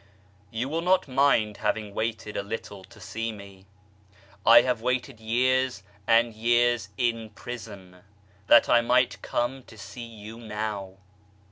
You will not mind having waited a little to see me. I have waited years and years in prison, that I might come to see you now.